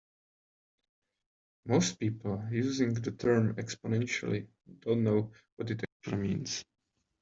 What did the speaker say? Most people using the term "exponentially" don't know what it actually means.